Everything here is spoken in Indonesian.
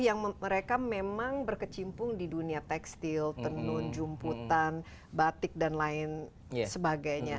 yang mereka memang berkecimpung di dunia tekstil tenun jumputan batik dan lain sebagainya